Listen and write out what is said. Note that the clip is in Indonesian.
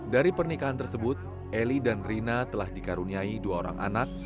dari pernikahan tersebut eli dan rina telah dikaruniai dua orang anak